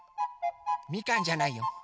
みかんじゃないよ。